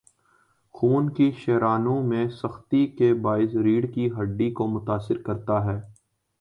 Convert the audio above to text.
خون کی شریانوں میں سختی کے باعث ریڑھ کی ہڈی کو متاثر کرتا ہے